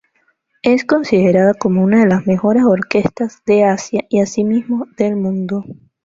Es considerada como una de las mejores orquestas de Asia y asimismo del mundo.